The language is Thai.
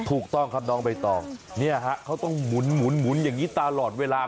ถูกต้องครับน้องใบตองเนี่ยฮะเขาต้องหมุนอย่างนี้ตลอดเวลา